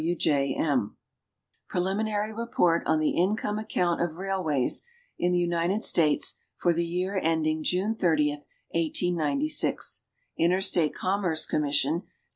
W J M. Preliminary Report on the Income Account of Railways in the United States for the Year ending June 30, 1896. Interstate Commerce Commission.